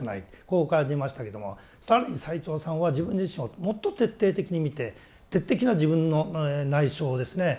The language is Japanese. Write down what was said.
こう感じましたけども更に最澄さんは自分自身をもっと徹底的に見て自分の内証ですね